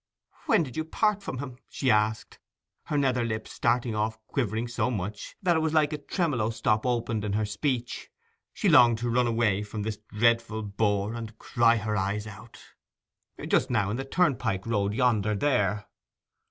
'When did you p p part from him?' she asked, her nether lip starting off quivering so much that it was like a tremolo stop opened in her speech. She longed to run away from this dreadful bore and cry her eyes out. 'Just now, in the turnpike road yonder there.